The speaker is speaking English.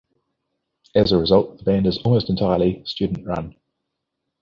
As a result, the band is almost entirely student-run.